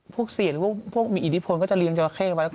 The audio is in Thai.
พวกเสียหรือพวกพวกมีอินิพนธ์ก็จะเลี้ยงจอลาเค้กันไหม